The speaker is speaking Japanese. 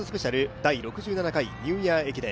第６７回ニューイヤー駅伝。